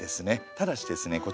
ただしですねこち。